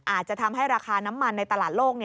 อาจจะทำให้ราคาน้ำมันในตลาดโลก